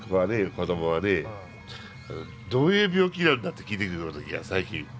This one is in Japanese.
子供はねどういう病気なんだって聞いてくる時がある最近。